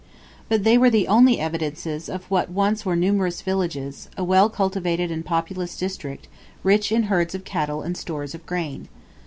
But they were only evidences of what once were numerous villages, a well cultivated and populous district, rich in herds of cattle and stores of grain.